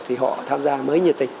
thì họ tham gia mới nhiệt tình